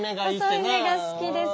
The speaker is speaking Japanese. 細い目が好きです。